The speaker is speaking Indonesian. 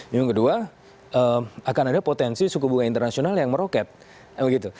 yang kedua akan ada potensi suku bunga internasional yang meroket begitu